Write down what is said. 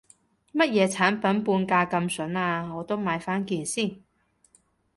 乜嘢產品半價咁筍啊，我都買返件先